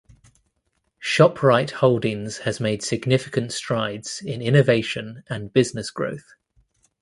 Shoprite Holdings has made significant strides in innovation and business growth.